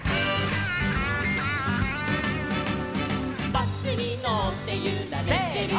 「バスにのってゆられてる」せの！